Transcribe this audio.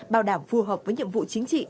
bảo đảm phù hợp với nhiệm vụ chính trị